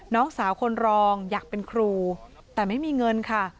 น้องสาวคนรองอยากเป็นครูแต่ไม่มีเงินค่ะ